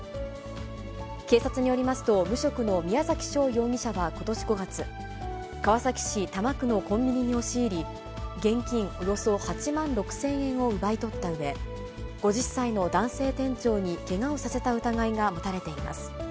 警察によりますと、無職の宮崎翔容疑者はことし５月、川崎市多摩区のコンビニに押し入り、現金およそ８万６０００円を奪い取ったうえ、５０歳の男性店長にけがをさせた疑いが持たれています。